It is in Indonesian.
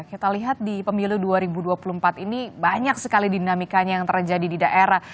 kita lihat di pemilu dua ribu dua puluh empat ini banyak sekali dinamikanya yang terjadi di daerah